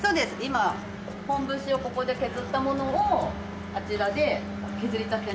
今本節をここで削ったものをあちらで削りたての。